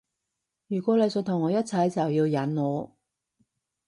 如果你想同我一齊就要忍我